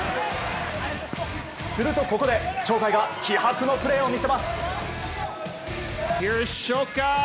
するとここで、鳥海が気迫のプレーを見せます。